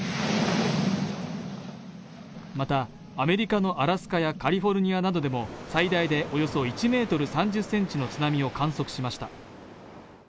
また、アメリカのアラスカやカリフォルニアなどでも最大でおよそ１ｍ３０ｃｍの津波を観測しました。